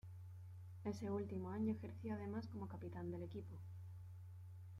Ese último año ejerció además como capitán del equipo.